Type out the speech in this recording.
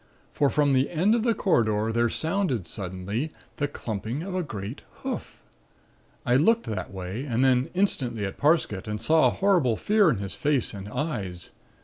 For from the end of the corridor there sounded suddenly, the clumping of a great hoof. I looked that way and then instantly at Parsket and saw a horrible fear in his face and eyes.